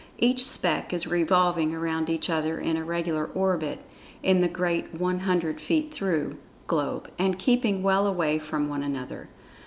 Each "speck" is revolving around each other in a regular orbit, in that great "100[Pg 73] feet through" globe, and keeping well away from one another.